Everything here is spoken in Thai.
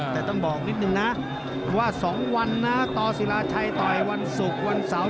แต่ต้องบอกนิดนึงนะว่า๒วันนะต่อศิลาชัยต่อยวันศุกร์วันเสาร์